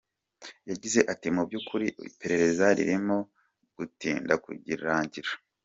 Yagize ati “Mu by’ ukuri iperereza ririmo gutinda kurangira.